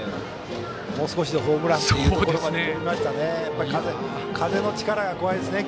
もう少しでホームランというところまで伸びましたね。